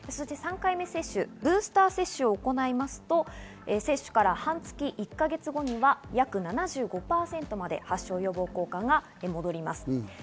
３回目接種、ブースター接種を行いますと接種から半月、１か月後には約７５％まで発症予防効果が戻ります。